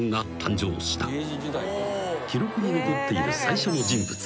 ［記録に残っている最初の人物］